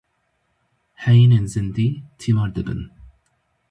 Heyînên zindî, tîmar dibin.